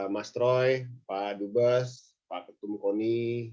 mas troy pak dubes pak ketum koni